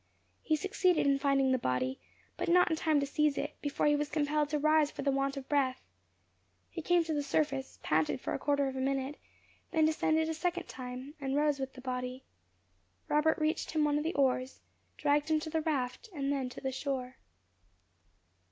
He succeeded in finding the body, but not in time to seize it, before he was compelled to rise for the want of breath. He came to the surface, panted for a quarter of a minute, then descended a second time, and rose with the body. Robert reached him one of the oars, dragged him to the raft, and then to the shore.